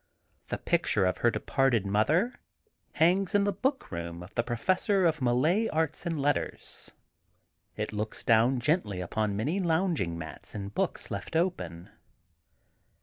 The picture of her de parted mother hangs in the book room of the Professor of Malay Arts and Letters. It looks down gently upon many lounging mats and books left open.